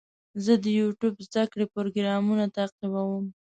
زه د یوټیوب زده کړې پروګرامونه تعقیبوم.